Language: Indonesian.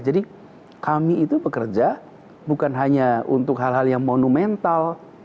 jadi kami itu pekerja bukan hanya untuk hal hal yang monumental